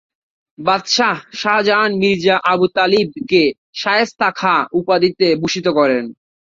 বাদশাহ শাহজাহান মির্জা আবু তালিব-কে শায়েস্তা খাঁ উপাধিতে ভূষিত করেন।